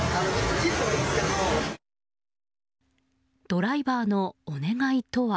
ドライバーのお願いとは。